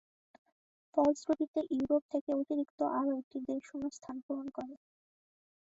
ফলশ্রুতিতে ইউরোপ থেকে অতিরিক্ত আরও একটি দেশ শূন্যস্থান পূরণ করে।